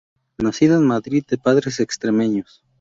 Nacido en Madrid de padres extremeños.